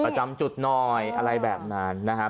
ประจำจุดหน่อยอะไรแบบนั้นนะครับ